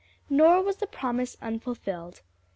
Nor was the promise unfulfilled.